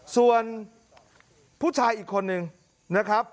ส่วนผู้ชายอีกคนนึงนะครับ